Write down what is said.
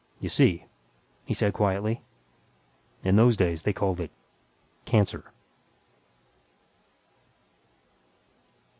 You see," he said quietly, "in those days they called it 'cancer'."